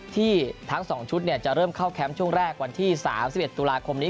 ทั้ง๒ชุดจะเริ่มเข้าแคมป์ช่วงแรกวันที่๓๑ตุลาคมนี้